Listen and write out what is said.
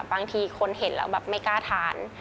บางทีคนเห็นแล้วแบบไม่กล้าทาน